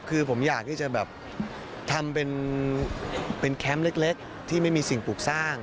คือผมอยากที่จะแบบทำเป็นแคมป์เล็กที่ไม่มีสิ่งปลูกสร้าง